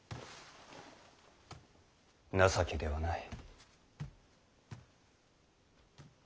情けではない。